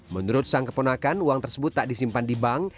menurut sang keponakan uang tersebut tak disimpan di bank